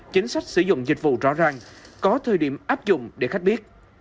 chính sách sử dụng dịch vụ rõ ràng có thời điểm áp dụng để khách biết